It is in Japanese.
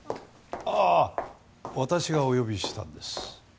ああ私がお呼びしたんです。